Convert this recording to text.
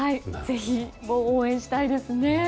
ぜひ、応援したいですね。